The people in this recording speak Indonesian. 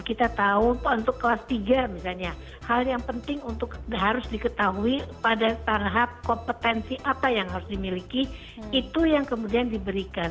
kita tahu untuk kelas tiga misalnya hal yang penting untuk harus diketahui pada tahap kompetensi apa yang harus dimiliki itu yang kemudian diberikan